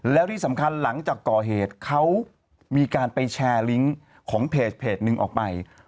แล้วที่สำคัญหลังจากก่อเหตุเขามีการไปแชร์ลิงก์ของเพจหนึ่งออกไป